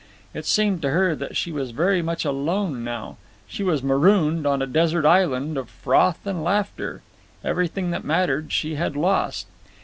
It seemed to her that she was very much alone now. She was marooned on a desert island of froth and laughter. Everything that mattered she had lost.